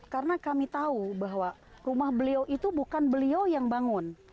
karena kami tahu bahwa rumah beliau itu bukan beliau yang bangun